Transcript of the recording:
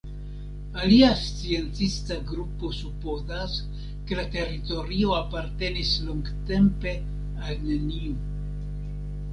Alia sciencista grupo supozas, ke la teritorio apartenis longtempe al neniu.